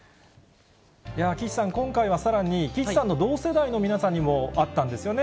岸さん、今回はさらに岸さんの同世代の皆さんにも会ったんですよね？